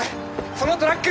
そのトラック！